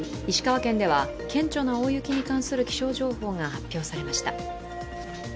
石川県では顕著な大雪に関する気象情報が発表されました。